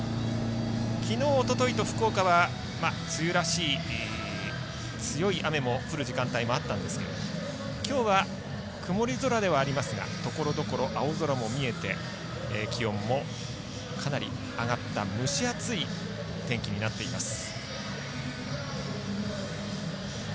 きのう、おとといと福岡は梅雨らしい強い雨も降る時間帯もあったんですがきょうは曇り空ではありますがところどころ青空も見えて気温もかなり上がった蒸し暑い天気になっています。